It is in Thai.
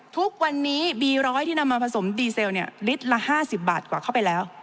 ทุกวันนี้บีร้อยที่นำมาผสมดีเซลลิตรละ๕๐บาทกว่าเข้าไปแล้ว